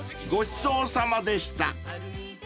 ［ごちそうさまでした］